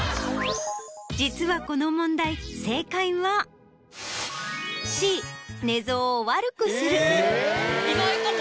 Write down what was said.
実はこの問題正解は。え！